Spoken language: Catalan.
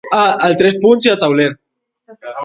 Boires de febrer, fam per tot arreu.